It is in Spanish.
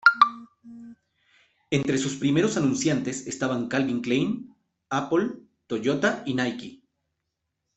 Entre sus primeros anunciantes estaban Calvin Klein, Apple, Toyota y Nike.